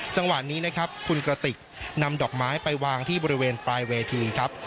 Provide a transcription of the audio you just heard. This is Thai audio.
จังหวะนี้นะครับคุณกระติกนำดอกไม้ไปวางที่บริเวณปลายเวทีครับ